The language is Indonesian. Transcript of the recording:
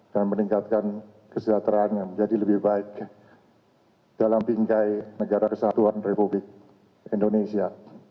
dan meningkatkan kesejahteraan yang menjadi lebih baik dalam pinggai negara kesatuan republik indonesia